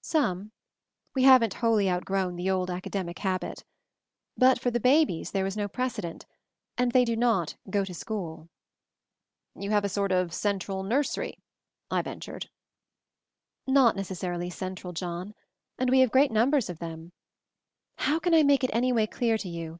"Some. We haven't wholly outgrown the old academic habit. But for the babies there was no precedent, and they do not 'go to school.' " "You have a sort of central nursery?" I ventured. "Not necessarily 'central,' John. And we have great numbers of them. How can I make it any way clear to you?